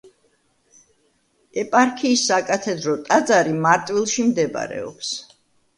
ეპარქიის საკათედრო ტაძარი მარტვილში მდებარეობს.